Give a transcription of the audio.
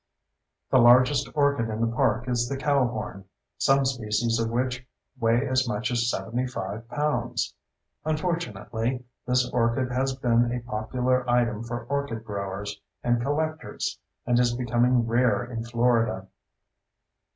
The largest orchid in the park is the cowhorn, some specimens of which weigh as much as 75 pounds. Unfortunately, this orchid has been a popular item for orchid growers and collectors and is becoming rare in Florida.